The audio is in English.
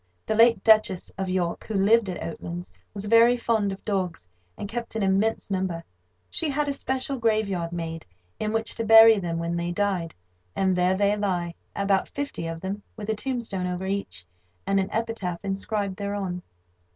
The late Duchess of York, who lived at Oatlands, was very fond of dogs, and kept an immense number. She had a special graveyard made, in which to bury them when they died, and there they lie, about fifty of them, with a tombstone over each, and an epitaph inscribed thereon.